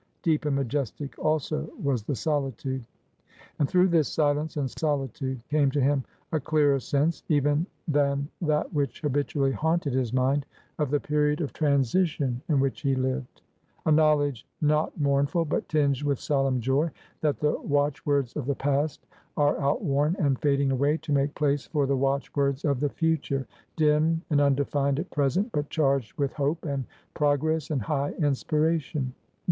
Deep and majestic also was the solitude. And through this silence and solitude came to him a clearer sense — even than that which habitually haunted his mind — of the period of Transition in which he lived: — ^a knowledge, not mournful but tinged with solemn joy, that the Watchwords of the past are outworn and fading away to make place for the Watchwords of the future, dim and undefined at present, but charged with hope and progress and high inspiration.